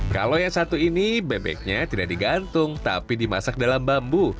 kalau yang satu ini bebeknya tidak digantung tapi dimasak dalam bambu